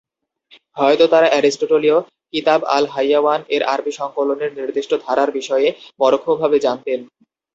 তারা হয়তো অ্যারিস্টোটলীয় "কিতাব-আল-হাইয়াওয়ান"-এর আরবি সংকলনের নির্দিষ্ট ধারার বিষয়ে পরোক্ষভাবে জানতেন।